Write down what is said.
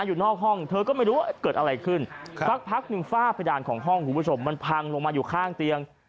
อยู่นอกห้องเธอก็ไม่รู้ว่าเกิดอะไรขึ้นสักพักหนึ่งฝ้าเพดานของห้องคุณผู้ชมมันพังลงมาอยู่ข้างเตียง